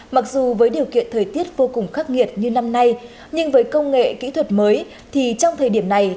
mặc dù với điều kiện thời tiết vô cùng khắc nghiệt như năm nay nhưng với công nghệ kỹ thuật mới thì trong thời điểm này